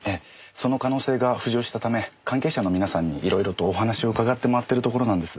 その可能性が浮上したため関係者のみなさんに色々とお話をうかがって回ってるところなんです。